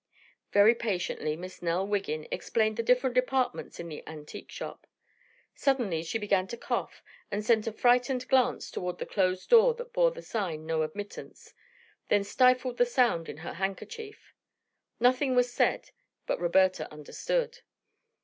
Very patiently Miss Nell Wiggin explained the different departments in the antique shop. Suddenly she began to cough and sent a frightened glance toward the closed door that bore the sign "No Admittance," then stifled the sound in her handkerchief. Nothing was said, but Roberta understood.